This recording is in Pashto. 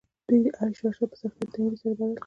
د دوی عيش عشرت ئي په سختۍ او تنګۍ سره بدل کړ